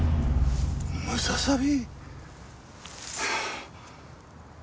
ムササビ？